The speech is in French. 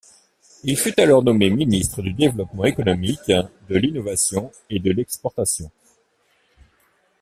Il fut alors nommé ministre du Développement économique, de l'Innovation et de l'Exportation.